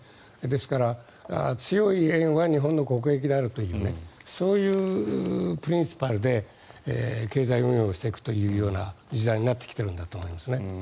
ですから、強い円は日本の国益であるというそういうプリンシパルで経済運用をしていくという時代になってきているんだと思いますね。